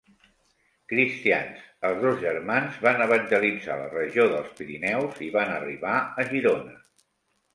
Cristians, els dos germans van evangelitzar la regió dels Pirineus i van arribar a Girona.